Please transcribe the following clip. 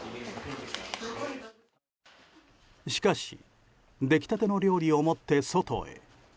しかし、出来たての料理を持って外へ。